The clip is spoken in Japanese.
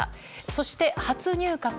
そして、初入閣。